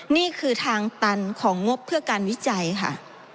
นี่คือทางตันของงบเพื่อการวิจัยค่ะ